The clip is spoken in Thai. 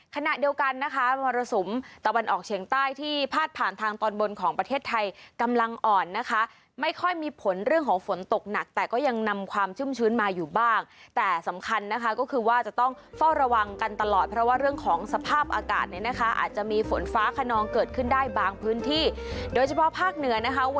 ขณะเดียวกันนะคะมรสุมตะวันออกเฉียงใต้ที่พาดผ่านทางตอนบนของประเทศไทยกำลังอ่อนนะคะไม่ค่อยมีผลเรื่องของฝนตกหนักแต่ก็ยังนำความชุ่มชื้นมาอยู่บ้างแต่สำคัญนะคะก็คือว่าจะต้องเฝ้าระวังกันตลอดเพราะว่าเรื่องของสภาพอากาศเนี่ยนะคะอาจจะมีฝนฟ้าขนองเกิดขึ้นได้บางพื้นที่โดยเฉพาะภาคเหนือนะคะ